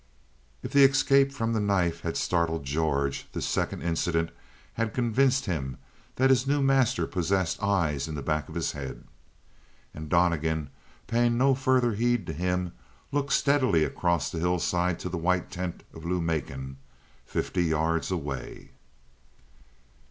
If the escape from the knife had startled George, this second incident had convinced him that his new master possessed eyes in the back of his head. And Donnegan, paying no further heed to him, looked steadily across the hillside to the white tent of Lou Macon, fifty yards away.